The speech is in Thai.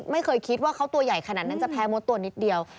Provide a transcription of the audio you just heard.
ไม่เคยคิดว่าเขาตัวใหญ่ขนาดนั้นจะแพ้มดตัวนิดเดียว